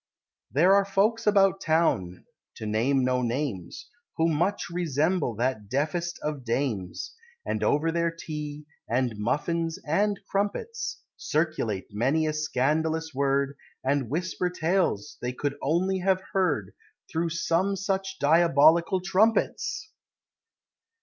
There are folks about town to name no names Who much resemble that deafest of Dames! And over their tea, and muffins, and crumpets, Circulate many a scandalous word, And whisper tales they could only have heard Through some such Diabolical Trumpets!